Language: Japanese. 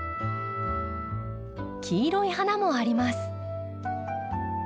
黄色い花もあります。